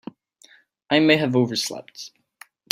I may have overslept.